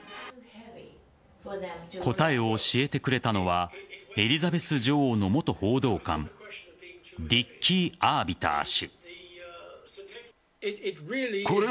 答えを教えてくれたのはエリザベス女王の元報道官ディッキー・アービター氏。